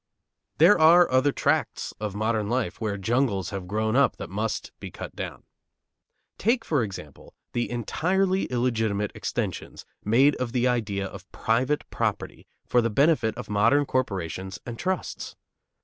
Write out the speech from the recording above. There are other tracts of modern life where jungles have grown up that must be cut down. Take, for example, the entirely illegitimate extensions made of the idea of private property for the benefit of modern corporations and trusts.